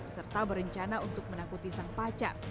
serta berencana untuk menakuti sang pacar